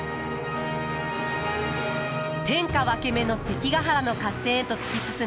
天下分け目の関ヶ原の合戦へと突き進む家康と家臣団。